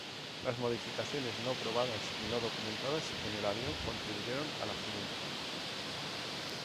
Las modificaciones no probadas y no documentadas en el avión contribuyeron al accidente.